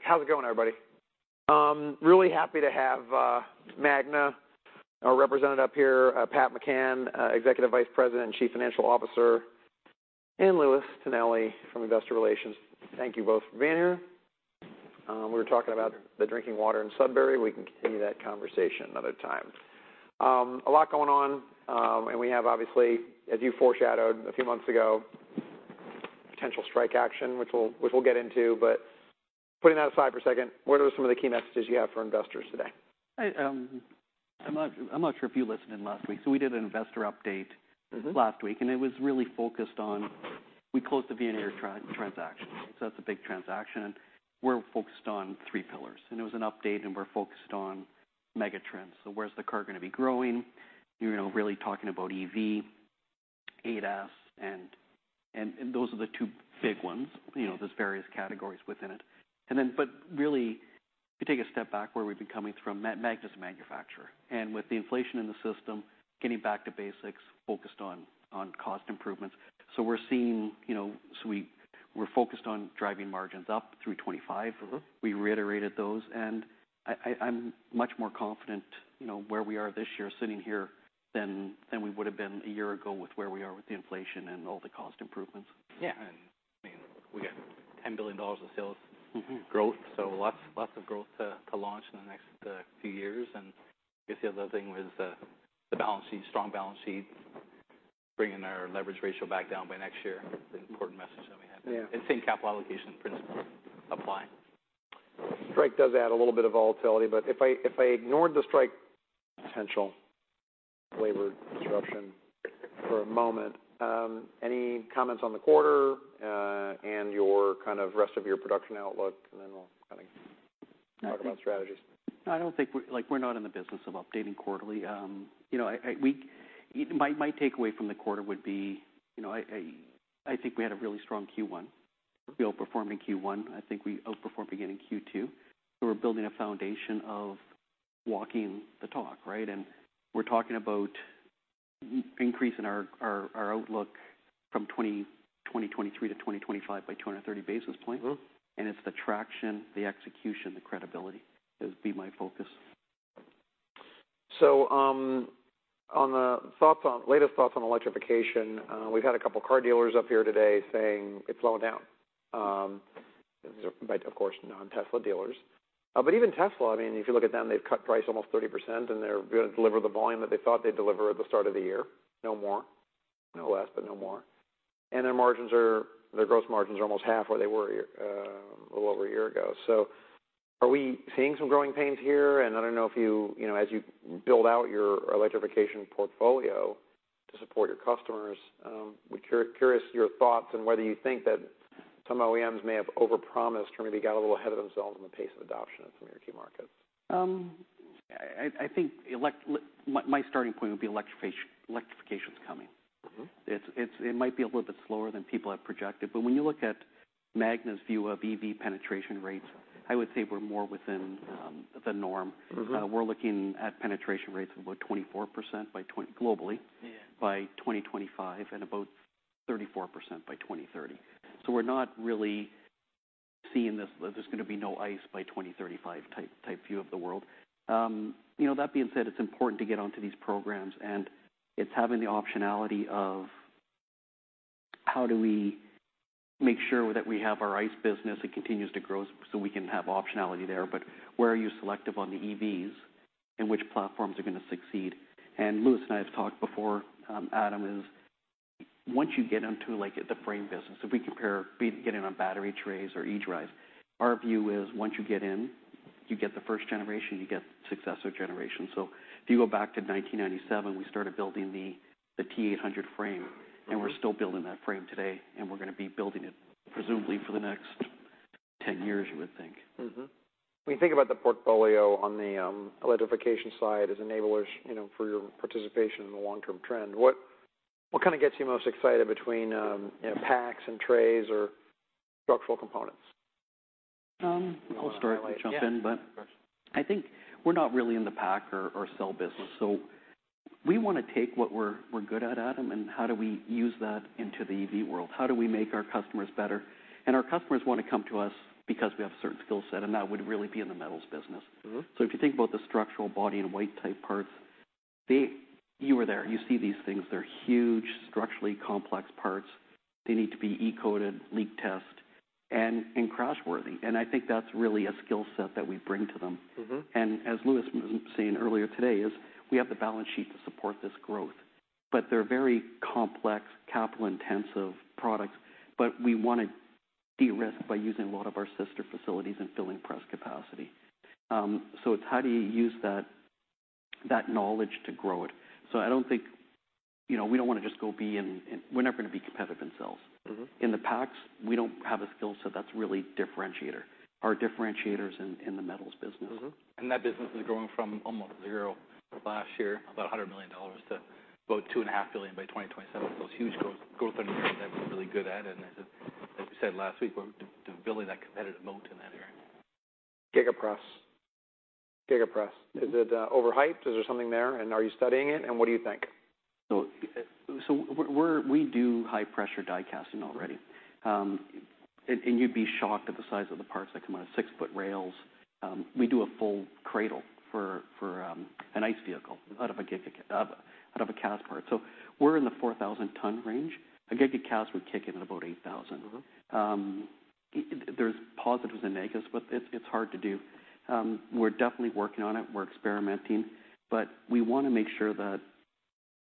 How's it going, everybody? Really happy to have Magna, our representative up here, Pat McCann, Executive Vice President and Chief Financial Officer, and Louis Tonelli from Investor Relations. Thank you both for being here. We were talking about the drinking water in Sudbury. We can continue that conversation another time. A lot going on, and we have, obviously, as you foreshadowed a few months ago, potential strike action, which we'll get into, but putting that aside for a second, what are some of the key messages you have for investors today? I'm not sure if you listened in last week. So we did an investor update- Mm-hmm. Last week, and it was really focused on, we closed the Veoneer transaction. So that's a big transaction, and we're focused on three pillars. It was an update, and we're focused on megatrends. So where's the car gonna be growing? You know, really talking about EV, ADAS, and those are the two big ones. You know, there's various categories within it. Then, but really, if you take a step back where we've been coming from, Magna's a manufacturer, and with the inflation in the system, getting back to basics, focused on cost improvements. So we're seeing, you know. So we're focused on driving margins up through 25%. Mm-hmm. We reiterated those, and I'm much more confident, you know, where we are this year, sitting here, than we would have been a year ago with where we are with the inflation and all the cost improvements. Yeah. I mean, we got $10 billion of sales- Mm-hmm -growth, so lots, lots of growth to, to launch in the next few years. And I guess the other thing was the, the balance sheet, strong balance sheet, bringing our leverage ratio back down by next year, the important message that we have. Yeah. Same capital allocation principle apply. Strike does add a little bit of volatility, but if I ignored the strike, potential labor disruption for a moment, any comments on the quarter, and your kind of rest of your production outlook, and then we'll kind of talk about strategies? I don't think we like, we're not in the business of updating quarterly. You know, my takeaway from the quarter would be, you know, I think we had a really strong Q1. We outperformed in Q1. I think we outperformed again in Q2. So we're building a foundation of walking the talk, right? And we're talking about increasing our outlook from 2023 to 2025 by 230 basis points. Mm-hmm. It's the traction, the execution, the credibility, is be my focus. So, latest thoughts on electrification, we've had a couple car dealers up here today saying it's slowing down. But of course, non-Tesla dealers. But even Tesla, I mean, if you look at them, they've cut price almost 30%, and they're gonna deliver the volume that they thought they'd deliver at the start of the year. No more. No less, but no more. And their margins are, their gross margins are almost half where they were, a little over a year ago. So are we seeing some growing pains here? I don't know if you, you know, as you build out your electrification portfolio to support your customers, we're curious your thoughts on whether you think that some OEMs may have overpromised or maybe got a little ahead of themselves in the pace of adoption in some of your key markets? My starting point would be electrification. Electrification is coming. Mm-hmm. It might be a little bit slower than people have projected, but when you look at Magna's view of EV penetration rates, I would say we're more within the norm. Mm-hmm. We're looking at penetration rates of about 24% by twenty- globally- Yeah... by 2025, and about 34% by 2030. So we're not really seeing this, there's gonna be no ICE by 2035 type view of the world. You know, that being said, it's important to get onto these programs, and it's having the optionality of how do we make sure that we have our ICE business, it continues to grow, so we can have optionality there, but where are you selective on the EVs, and which platforms are gonna succeed? And Louis and I have talked before, Adam, is once you get into, like, the frame business, if we compare getting on battery trays or eDrive, our view is once you get in, you get the first generation, you get successor generations. So if you go back to 1997, we started building the T800 frame- Mm-hmm... and we're still building that frame today, and we're gonna be building it presumably for the next 10 years, you would think. Mm-hmm. When you think about the portfolio on the electrification side as enablers, you know, for your participation in the long-term trend, what kinda gets you most excited between, you know, packs and trays or structural components? I'll start- Jump in... but- Of course... I think we're not really in the pack or cell business, so we wanna take what we're, we're good at, Adam, and how do we use that into the EV world? How do we make our customers better? And our customers want to come to us because we have a certain skill set, and that would really be in the metals business. Mm-hmm. So if you think about the structural body and weight-type parts, they... You were there. You see these things. They're huge, structurally complex parts. They need to be E-coated, leak-test, and, and crash-worthy. And I think that's really a skill set that we bring to them. Mm-hmm. As Louis was saying earlier today, we have the balance sheet to support this growth, but they're very complex, capital-intensive products, but we want to de-risk by using a lot of our sister facilities and filling press capacity. So it's how do you use that knowledge to grow it? So I don't think, you know, we don't wanna just go be in... We're never gonna be competitive in sales. Mm-hmm. In the packs, we don't have a skill set that's really differentiator. Our differentiator is in the metals business. Mm-hmm. That business is growing from almost zero last year, about $100 million, to about $2.5 billion by 2027. So it's huge growth, growth in an area that we're really good at, and as we said last week, we're building that competitive moat in that area. Giga Press?... Giga Press. Is it overhyped? Is there something there, and are you studying it, and what do you think? So, we do high-pressure die casting already. You'd be shocked at the size of the parts that come out of six-foot rails. We do a full cradle for an ICE vehicle out of a giga-cast part. So we're in the 4,000-ton range. A Giga-cast would kick in at about 8,000. Mm-hmm. There's positives and negatives, but it's hard to do. We're definitely working on it. We're experimenting, but we want to make sure that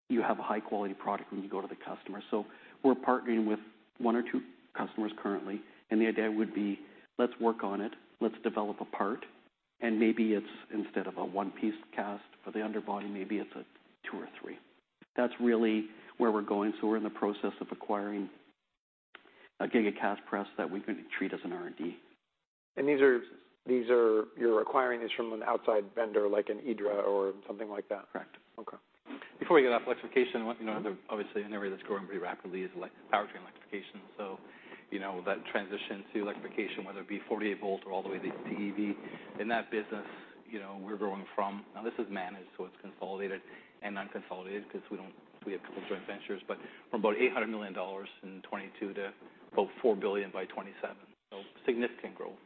you have a high-quality product when you go to the customer. So we're partnering with one or two customers currently, and the idea would be, let's work on it, let's develop a part, and maybe it's instead of a one-piece cast for the underbody, maybe it's a two or three. That's really where we're going. So we're in the process of acquiring a Giga Press that we can treat as an R&D. And these are—you're acquiring this from an outside vendor, like an Idra or something like that? Correct. Okay. Before we get off electrification- Mm-hmm. You know, obviously, an area that's growing pretty rapidly is powertrain electrification. So, you know, that transition to electrification, whether it be 48 volts or all the way to EV. In that business, you know, we're growing from... Now, this is managed, so it's consolidated and unconsolidated because we have a couple joint ventures, but from about $800 million in 2022 to about $4 billion by 2027. So significant growth,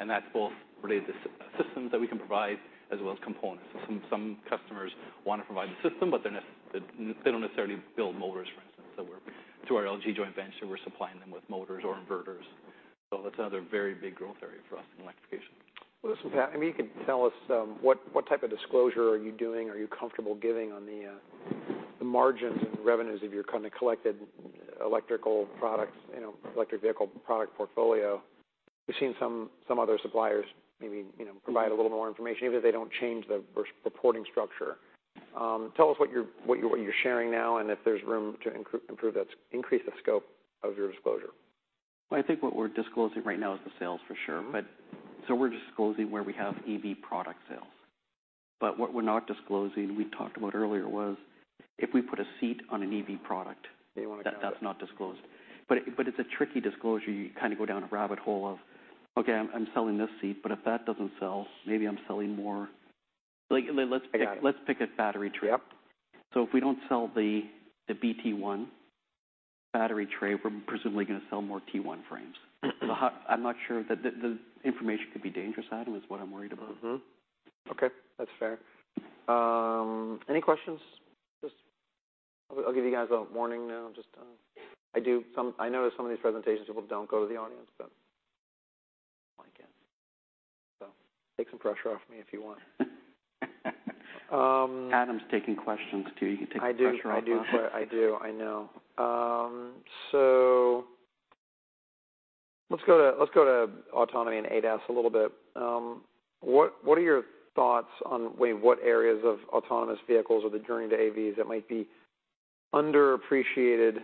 and that's both related to systems that we can provide, as well as components. Some customers want to provide the system, but they don't necessarily build motors, for instance. So we're, through our LG joint venture, supplying them with motors or inverters. So that's another very big growth area for us in electrification. Well, listen, Pat, I mean, you can tell us what type of disclosure are you doing? Are you comfortable giving on the margins and revenues of your kind of collected electrical products, you know, electric vehicle product portfolio? We've seen some other suppliers maybe, you know, provide a little more information, even if they don't change the reporting structure. Tell us what you're sharing now, and if there's room to improve that, increase the scope of your disclosure. I think what we're disclosing right now is the sales, for sure. Mm-hmm. But so we're disclosing where we have EV product sales. But what we're not disclosing, we talked about earlier, was if we put a seat on an EV product- You want to count it. That's not disclosed. But, but it's a tricky disclosure. You kind of go down a rabbit hole of, okay, I'm, I'm selling this seat, but if that doesn't sell, maybe I'm selling more. Like, let's- I got it.... let's pick a battery tray. Yep. So if we don't sell the BT-1 battery tray, we're presumably going to sell more T-1 frames. So I, I'm not sure. The information could be dangerous, Adam, is what I'm worried about. Mm-hmm. Okay, that's fair. Any questions? Just, I'll give you guys a warning now. Just, I notice some of these presentations, people don't go to the audience, but again, so take some pressure off me if you want. Adam's taking questions, too. You can take the pressure off us. I do, I do, but I do, I know. So let's go to, let's go to autonomy and ADAS a little bit. What, what are your thoughts on, weigh what areas of autonomous vehicles or the journey to AVs that might be underappreciated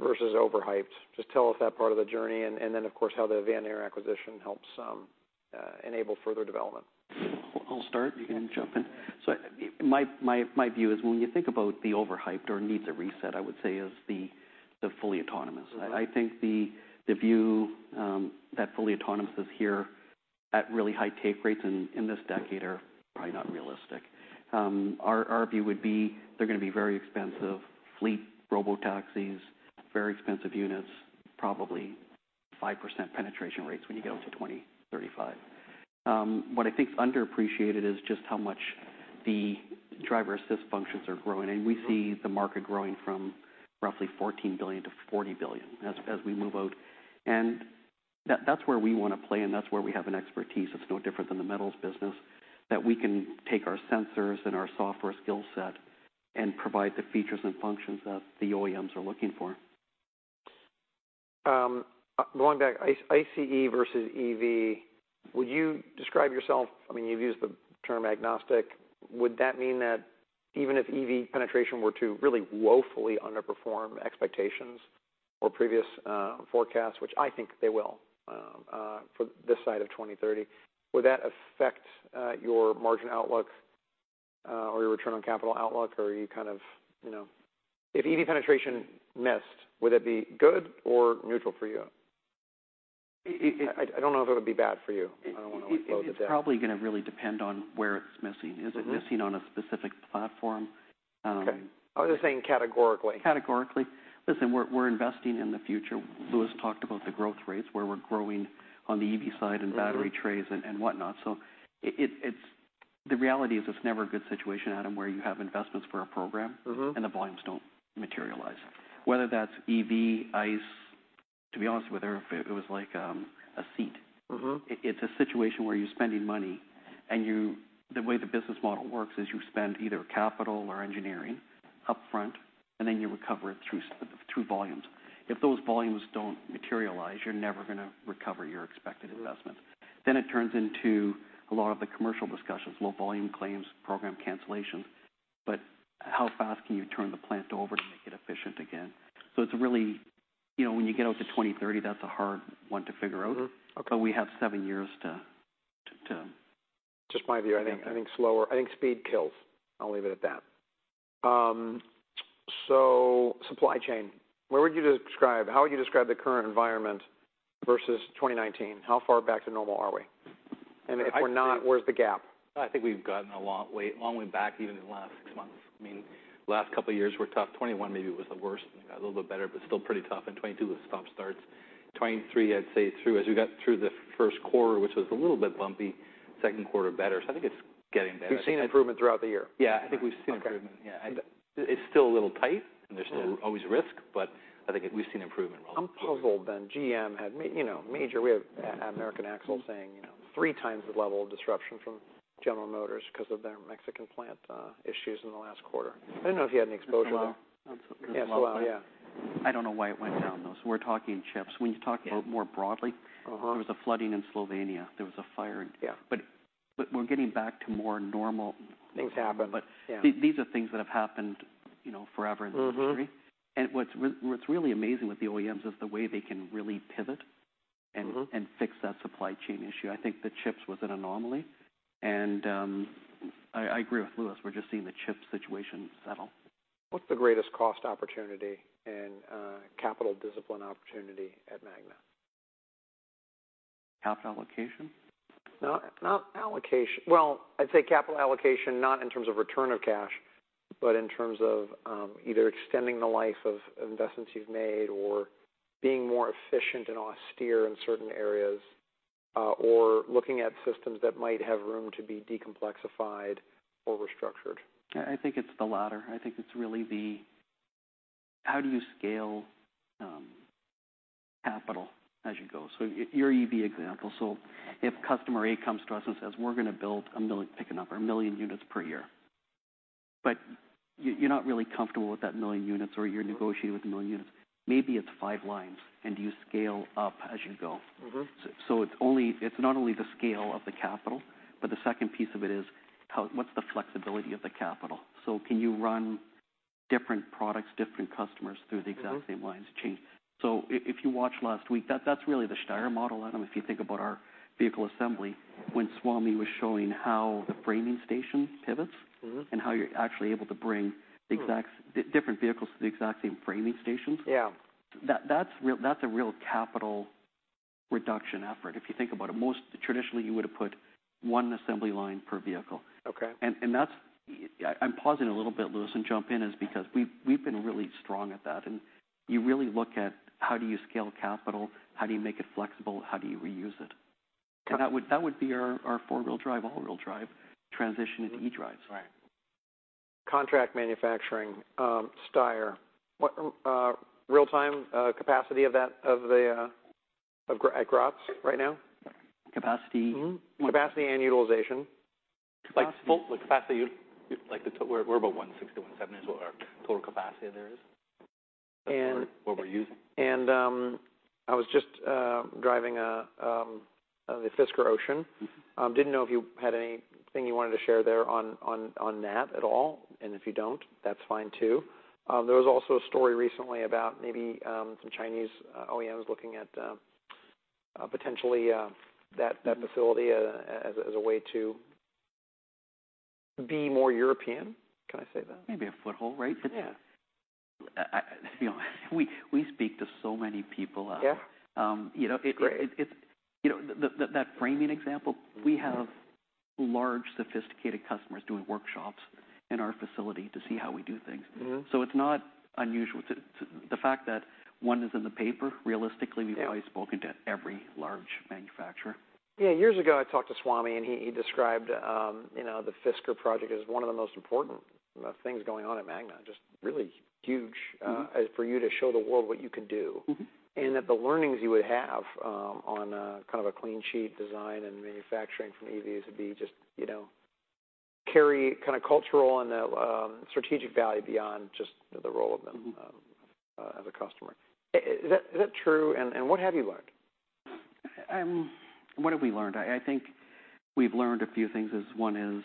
versus overhyped? Just tell us that part of the journey and, and then, of course, how the Veoneer acquisition helps, enable further development. I'll start. You can jump in. So my view is when you think about the overhyped or needs a reset, I would say is the fully autonomous. Mm-hmm. I think the view that fully autonomous is here at really high take rates in this decade are probably not realistic. Our view would be they're going to be very expensive. Fleet robotaxis, very expensive units, probably 5% penetration rates when you get out to 2035. What I think is underappreciated is just how much the driver assist functions are growing. Mm-hmm. We see the market growing from roughly $14 billion-$40 billion as we move out. And that, that's where we want to play, and that's where we have an expertise. It's no different than the metals business, that we can take our sensors and our software skill set and provide the features and functions that the OEMs are looking for. Going back, ICE, ICE versus EV, would you describe yourself... I mean, you've used the term agnostic. Would that mean that even if EV penetration were to really woefully underperform expectations or previous forecasts, which I think they will, for this side of 2030, would that affect your margin outlook or your return on capital outlook? Or are you kind of, you know, if EV penetration missed, would it be good or neutral for you? It, it, it- I, I don't know if it would be bad for you. I don't want to leave it there. It's probably going to really depend on where it's missing. Mm-hmm. Is it missing on a specific platform? Okay. I was just saying categorically. Categorically? Listen, we're, we're investing in the future. Louis talked about the growth rates, where we're growing on the EV side- Mm-hmm... and battery trays and whatnot. So it's the reality is, it's never a good situation, Adam, where you have investments for a program- Mm-hmm... and the volumes don't materialize. Whether that's EV, ICE, to be honest with you, if it was like, a seat. Mm-hmm. It's a situation where you're spending money, and the way the business model works is you spend either capital or engineering upfront, and then you recover it through volumes. If those volumes don't materialize, you're never gonna recover your expected investment. Mm-hmm. Then it turns into a lot of the commercial discussions, low volume claims, program cancellations. But how fast can you turn the plant over to make it efficient again? So it's really, you know, when you get out to 2030, that's a hard one to figure out. Mm-hmm. Okay. But we have seven years to Just my view, I think, I think slower. I think speed kills. I'll leave it at that. So supply chain, where would you describe, how would you describe the current environment versus 2019? How far back to normal are we? And if we're not, where's the gap? I think we've gotten a long way, long way back, even in the last six months. I mean, last couple of years were tough. 2021 maybe was the worst, and it got a little bit better, but still pretty tough. In 2022, it was stop starts. 2023, I'd say through, as we got through the first quarter, which was a little bit bumpy, second quarter better. So I think it's getting better. We've seen improvement throughout the year? Yeah, I think we've seen improvement. Okay. Yeah. It's still a little tight, and there's still always risk, but I think we've seen improvement. I'm puzzled then. GM had, you know, major—we have at American Axle saying, you know, three times the level of disruption from General Motors because of their Mexican plant issues in the last quarter. I didn't know if you had any exposure there. Well- Yeah. Well, yeah. I don't know why it went down, though. So we're talking chips. When you talk about more broadly- Uh-huh. There was a flooding in Slovenia. There was a fire in- Yeah. But we're getting back to more normal- Things happen. But- Yeah. These are things that have happened, you know, forever in history. Mm-hmm. What's really amazing with the OEMs is the way they can really pivot- Mm-hmm... and fix that supply chain issue. I think the chips was an anomaly, and I agree with Louis. We're just seeing the chip situation settle. What's the greatest cost opportunity and capital discipline opportunity at Magna? Capital allocation? Not, not allocation. Well, I'd say capital allocation, not in terms of return of cash, but in terms of either extending the life of investments you've made or being more efficient and austere in certain areas or looking at systems that might have room to be decomplexified or restructured. I think it's the latter. I think it's really the how do you scale capital as you go? So your EV example. So if customer A comes to us and says, "We're going to build 1 million, pick a number, 1 million units per year," but you're not really comfortable with that 1 million units, or you're negotiating with a 1 million units. Maybe it's 5 lines, and you scale up as you go. Mm-hmm. It's not only the scale of the capital, but the second piece of it is how—what's the flexibility of the capital? So can you run different products, different customers through the- Mm-hmm... exact same lines of change? So if you watched last week, that's really the Steyr model, Adam, if you think about our vehicle assembly, when Swamy was showing how the framing station pivots- Mm-hmm... and how you're actually able to bring the exact- Hmm... different vehicles to the exact same framing stations. Yeah. That's a real capital reduction effort. If you think about it, most traditionally, you would have put one assembly line per vehicle. Okay. And that's... I'm pausing a little bit, Louis, and jump in, is because we've been really strong at that, and you really look at how do you scale capital? How do you make it flexible? How do you reuse it? Yeah. That would be our four-wheel drive, all-wheel drive transition into eDrive. Right. Contract manufacturing, Steyr, what real-time capacity of that, of the, at Graz right now? Capacity? Mm-hmm, capacity and utilization. Like, full capacity, like, the total, we're about 160-170 is what our total capacity there is. And- What we're using. I was just driving a Fisker Ocean. Didn't know if you had anything you wanted to share there on, on, on that at all, and if you don't, that's fine, too. There was also a story recently about maybe some Chinese OEMs looking at potentially that facility as a way to be more European. Can I say that? Maybe a foothold, right? Yeah. You know, we speak to so many people. Yeah. You know- Great... it's, you know, that framing example- Mm-hmm... we have large, sophisticated customers doing workshops in our facility to see how we do things. Mm-hmm. So it's not unusual. To the fact that one is in the paper, realistically- Yeah... we've probably spoken to every large manufacturer. Yeah. Years ago, I talked to Swamy, and he described, you know, the Fisker project as one of the most important things going on at Magna. Just really huge- Mm-hmm... for you to show the world what you can do. Mm-hmm. That the learnings you would have on kind of a clean sheet design and manufacturing from EVs would be just, you know, carry kind of cultural and strategic value beyond just the role of them- Mm-hmm... as a customer. Is that, is that true, and, and what have you learned? What have we learned? I think we've learned a few things as one is,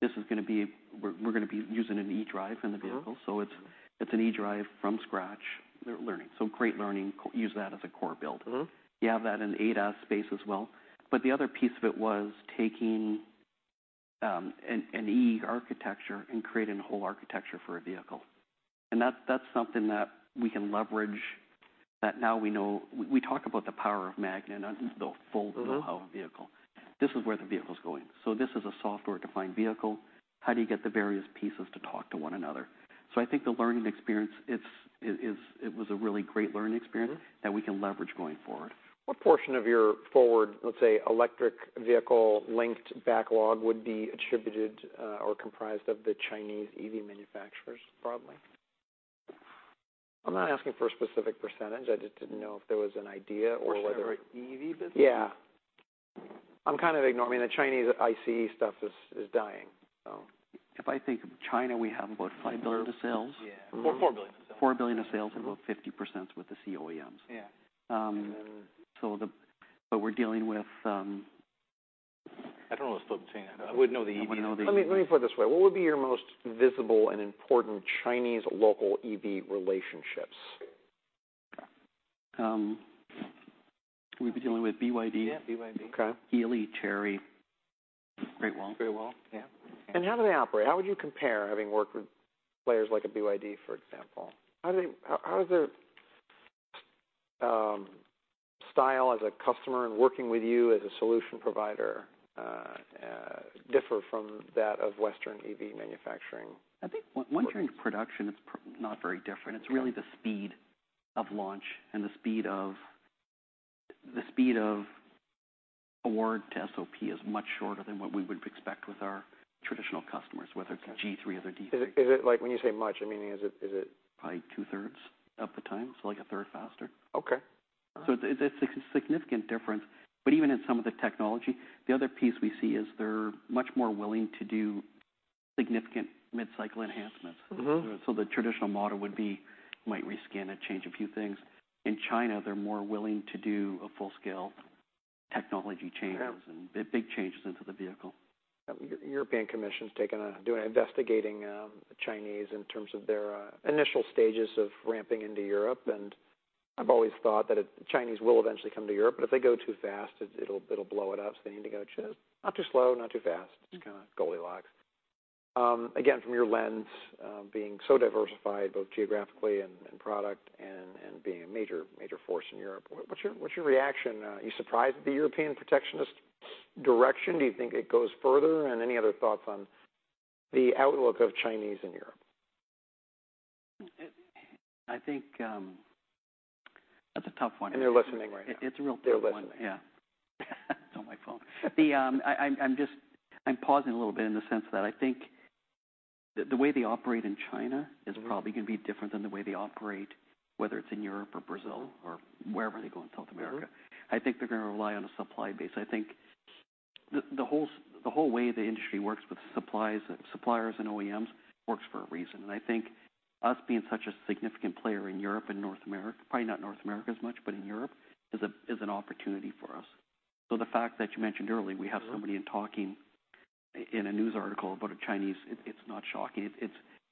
this is gonna be, we're gonna be using an eDrive in the vehicle. Mm-hmm. So it's an eDrive from scratch. They're learning. So great learning, use that as a core build. Mm-hmm. You have that in ADAS space as well. But the other piece of it was taking an eArchitecture and creating a whole architecture for a vehicle. And that's something that we can leverage, that now we know... We talk about the power of Magna and the full- Mm-hmm... power of the vehicle. This is where the vehicle's going. So this is a software-defined vehicle. How do you get the various pieces to talk to one another? So I think the learning experience, it was a really great learning experience- Mm-hmm... that we can leverage going forward. What portion of your forward, let's say, electric vehicle-linked backlog would be attributed, or comprised of the Chinese EV manufacturers, broadly? I'm not asking for a specific percentage. I just didn't know if there was an idea- For sure. Or whether EV business? Yeah. I'm kind of ignoring the Chinese ICE stuff is dying, so. If I think of China, we have about $5 billion of sales. Yeah. Or $4 billion of sales. $4 billion of sales, about 50% with the C-OEMs. Yeah. But we're dealing with, I don't know the split between. I would know the EV. I would know the EV. Let me put it this way: What would be your most visible and important Chinese local EV relationships?... we've been dealing with BYD? Yeah, BYD. Okay. Geely, Chery, Great Wall. Great Wall, yeah. And how do they operate? How would you compare, having worked with players like a BYD, for example? How does their style as a customer and working with you as a solution provider differ from that of Western EV manufacturing? I think once you're in production, it's not very different. Yeah. It's really the speed of launch and the speed of award to SOP is much shorter than what we would expect with our traditional customers- Okay whether it's a G3 or a D3. Is it like, when you say much? I mean, is it? Probably two-thirds of the time, so like a third faster. Okay. Uh- So it's a significant difference, but even in some of the technology, the other piece we see is they're much more willing to do significant mid-cycle enhancements. Mm-hmm. So the traditional model would be, might rescan it, change a few things. In China, they're more willing to do a full-scale technology changes- Yeah Big changes into the vehicle. Yeah. The European Commission's investigating Chinese in terms of their initial stages of ramping into Europe, and I've always thought that Chinese will eventually come to Europe, but if they go too fast, it'll blow it up, so they need to go just not too slow, not too fast. Yeah. Just kind of Goldilocks. Again, from your lens, being so diversified, both geographically and, and product and, and being a major, major force in Europe, what, what's your, what's your reaction? Are you surprised at the European protectionist direction? Do you think it goes further? And any other thoughts on the outlook of Chinese in Europe? It, I think, that's a tough one. They're listening right now. It's a real tough one. They're listening. Yeah. It's on my phone. I'm pausing a little bit in the sense that I think the way they operate in China- Mm-hmm... is probably going to be different than the way they operate, whether it's in Europe or Brazil. Mm-hmm or wherever they go, in South America. Mm-hmm. I think they're going to rely on a supply base. I think the whole way the industry works with suppliers, suppliers and OEMs works for a reason. And I think us being such a significant player in Europe and North America, probably not North America as much, but in Europe, is a, is an opportunity for us. So the fact that you mentioned earlier- Mm-hmm... we have somebody in talking in a news article about a Chinese,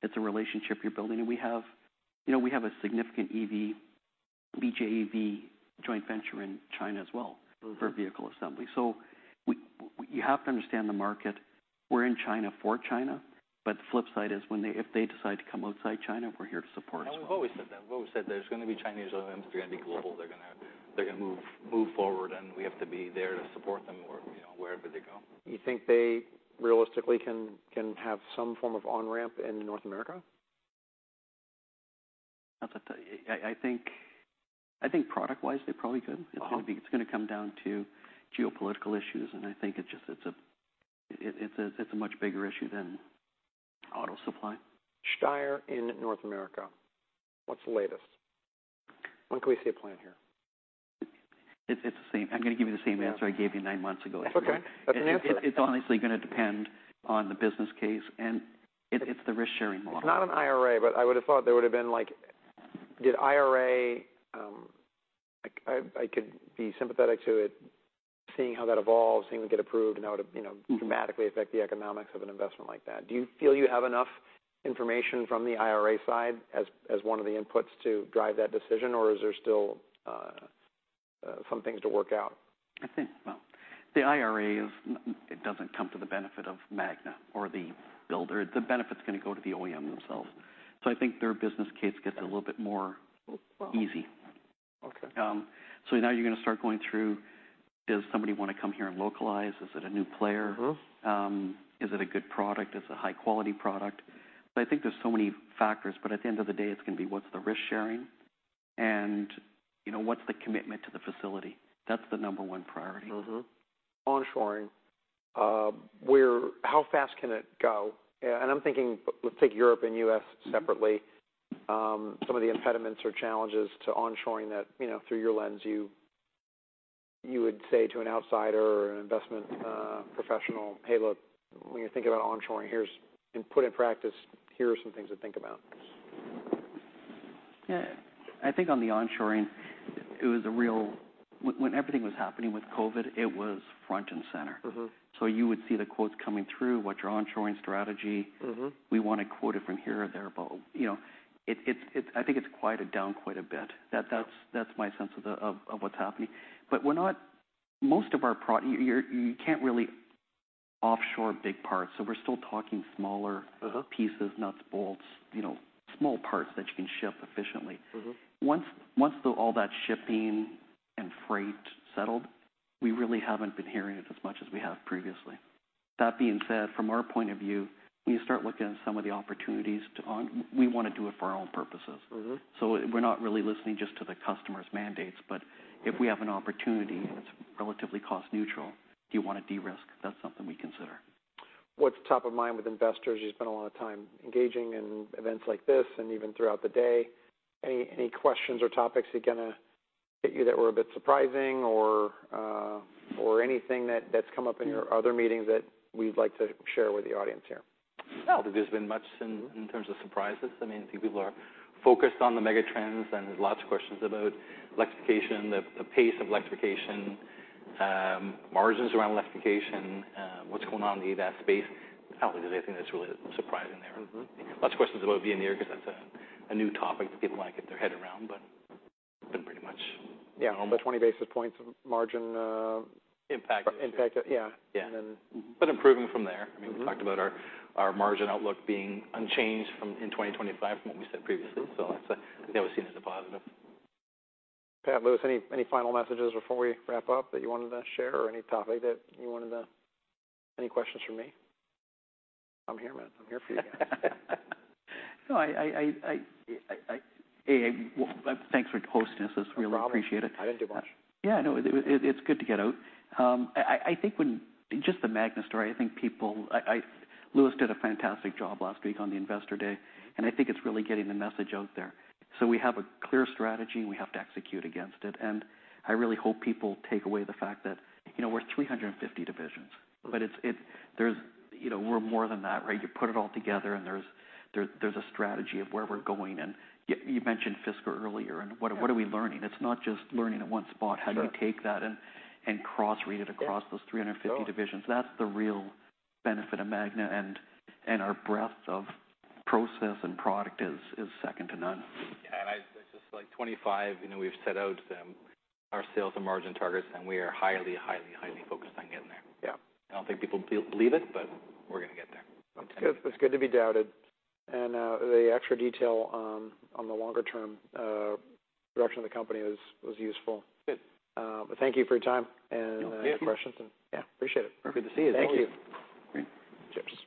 it's a relationship you're building, and we have, you know, we have a significant EV, BJEV joint venture in China as well- Mm-hmm... for vehicle assembly. So we, you have to understand the market. We're in China for China, but the flip side is when they, if they decide to come outside China, we're here to support them. We've always said that. We've always said there's going to be Chinese OEMs, they're going to be global, they're gonna move forward, and we have to be there to support them or, you know, wherever they go. You think they realistically can have some form of on-ramp in North America? That's a tough... I think product-wise, they probably could. Uh-huh. It's going to be, it's going to come down to geopolitical issues, and I think it just, it's a much bigger issue than auto supply. Steyr in North America, what's the latest? When can we see a plan here? It's the same. I'm going to give you the same answer- Yeah I gave you nine months ago. That's okay. That's an answer. It's honestly gonna depend on the business case, and it, it's the risk-sharing model. It's not an IRA, but I would have thought there would have been like, did IRA, like I, I could be sympathetic to it, seeing how that evolves, seeing it get approved, and how it would, you know- Mm-hmm... dramatically affect the economics of an investment like that. Do you feel you have enough information from the IRA side as one of the inputs to drive that decision, or is there still some things to work out? I think, well, the IRA is, it doesn't come to the benefit of Magna or the builder. The benefit's gonna go to the OEM themselves. So I think their business case gets a little bit more easy. Okay. So now you're gonna start going through. Does somebody want to come here and localize? Is it a new player? Mm-hmm. Is it a good product? Is it a high-quality product? So I think there's so many factors, but at the end of the day, it's going to be what's the risk-sharing and, you know, what's the commitment to the facility? That's the number one priority. Mm-hmm. Onshoring, how fast can it go? I'm thinking, let's take Europe and U.S. separately. Mm-hmm. Some of the impediments or challenges to onshoring that, you know, through your lens, you would say to an outsider or an investment professional, "Hey, look, when you think about onshoring, here's, in practice, here are some things to think about. Yeah. I think on the onshoring, it was a real... When, when everything was happening with COVID, it was front and center. Mm-hmm. You would see the quotes coming through, "What's your onshoring strategy? Mm-hmm. We want to quote it from here or there," but, you know, it's. I think it's quieted down quite a bit. Yeah. That's my sense of what's happening. But we're not. You can't really offshore big parts, so we're still talking smaller- Mm-hmm... pieces, nuts, bolts, you know, small parts that you can ship efficiently. Mm-hmm. Once all that shipping and freight settled, we really haven't been hearing it as much as we have previously. That being said, from our point of view, when you start looking at some of the opportunities to on—we want to do it for our own purposes. Mm-hmm. We're not really listening just to the customer's mandates, but if we have an opportunity that's relatively cost neutral, do you want to de-risk? That's something we consider. What's top of mind with investors? You spend a lot of time engaging in events like this and even throughout the day. Any questions or topics that are gonna hit you that were a bit surprising or, or anything that's come up in your other meetings that we'd like to share with the audience here? Well, there's been much in terms of surprises. I mean, I think people are focused on the mega trends, and there's lots of questions about electrification, the pace of electrification, margins around electrification, what's going on in the EV, ADAS space. Probably, there's anything that's really surprising there. Mm-hmm. Lots of questions about Veoneer, because that's a new topic that people want to get their head around, but been pretty much- Yeah... normal. The 20 basis points of margin, Impact. Impact, yeah. Yeah. And then- But improving from there. Mm-hmm. I mean, we talked about our margin outlook being unchanged from in 2025 from what we said previously. Mm-hmm. That was seen as a positive. Pat, Louis, any, any final messages before we wrap up that you wanted to share or any topic that you wanted to... Any questions for me? I'm here, man. I'm here for you. No, hey, well, thanks for hosting this. No problem. I really appreciate it. I didn't do much. Yeah, no, it's good to get out. I think just the Magna story, I think people Louis did a fantastic job last week on the Investor Day, and I think it's really getting the message out there. So we have a clear strategy, and we have to execute against it. I really hope people take away the fact that, you know, we're 350 divisions. Mm-hmm. But it's, there's, you know, we're more than that, right? You put it all together, and there's a strategy of where we're going. And you mentioned Fisker earlier. Yeah. What, what are we learning? It's not just learning in one spot. Sure. How do you take that and cross-read it? Yeah - across those 350 divisions? Sure. That's the real benefit of Magna, and our breadth of process and product is second to none. Yeah, and it's just like 25, you know. We've set out our sales and margin targets, and we are highly, highly, highly focused on getting there. Yeah. I don't think people believe it, but we're gonna get there. It's good. It's good to be doubted. The extra detail on the longer term direction of the company was useful. Good. But thank you for your time, and- Yeah... the questions, and yeah, appreciate it. Good to see you. Thank you. Great. Cheers.